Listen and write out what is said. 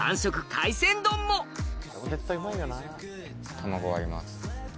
卵割ります。